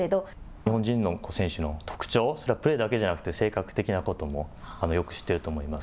日本人の選手の特徴、それはプレーだけじゃなくて、性格的なこともよく知ってると思います。